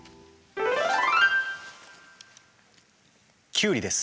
キュウリです。